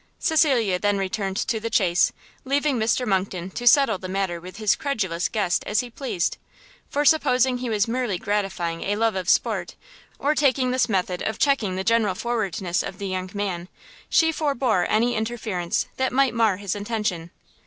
Cecilia then returned to the chaise, leaving Mr Monckton to settle the matter with his credulous guest as he pleased; for supposing he was merely gratifying a love of sport, or taking this method of checking the general forwardness of the young man, she forbore any interference that might mar his intention.